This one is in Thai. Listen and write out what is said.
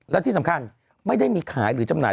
และที่สำคัญไม่ได้มีขายหรือจำหน่าย